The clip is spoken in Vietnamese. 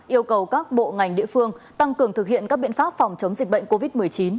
yêu cầu các bộ ngành địa phương tăng cường thực hiện các biện pháp phòng chống dịch bệnh covid một mươi chín